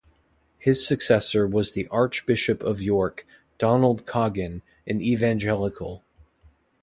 His successor was the Archbishop of York, Donald Coggan, an evangelical.